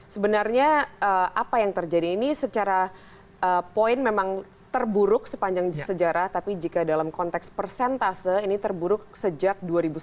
sebenarnya apa yang terjadi ini secara poin memang terburuk sepanjang sejarah tapi jika dalam konteks persentase ini terburuk sejak